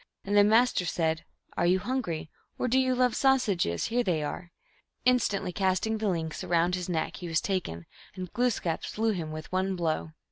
And the Master said, " Are you hungry ? Or do you love sausages ? Here they are !" Instantly casting the links around his neck, he was taken, and Glooskap slew him with one blow.